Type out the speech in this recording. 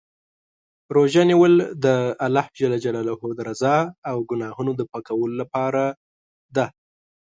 روژه نیول د الله د رضا او ګناهونو د پاکولو لپاره دی.